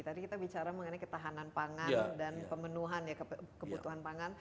tadi kita bicara mengenai ketahanan pangan dan pemenuhan ya kebutuhan pangan